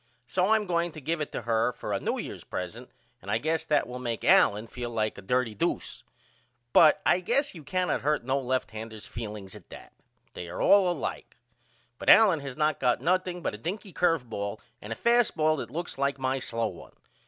So I am going to give it to her for a New Year's present and I guess that will make Allen feel like a dirty doose. But I guess you cannot hurt no lefthander's feelings at that. They are all alike. But Allen has not got nothing but a dinky curve ball and a fast ball that looks like my slow one.